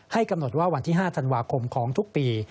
กำหนดว่าวันที่๕ธันวาคมของทุกปี